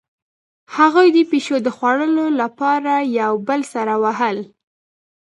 هغوی د پیشو د خوړلو لپاره یو بل سره وهل